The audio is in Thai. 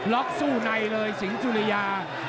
ล็อกสู้ในเลยสิงสุริยา